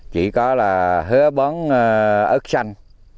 chỉ có là hứa bóng ớt xanh